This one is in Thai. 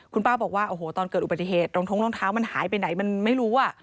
คุณป้าบอกว่าโอ้โหตอนเกิดอุบัติเหตุรองท้องรองเท้ามันหายไปไหนมันไม่รู้อ่ะ